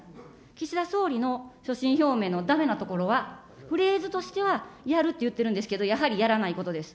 岸田総理の所信表明のだめなところは、フレーズとしてはやると言ってるんですけれども、やはりやらないことです。